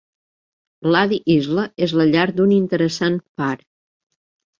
Lady Isle és la llar d'un interessant far.